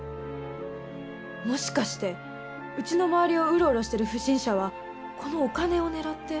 もしかしてうちの周りをウロウロしてる不審者はこのお金を狙って？